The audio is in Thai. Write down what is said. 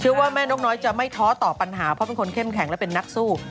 ว่าแม่นกน้อยจะไม่ท้อต่อปัญหาเพราะเป็นคนเข้มแข็งและเป็นนักสู้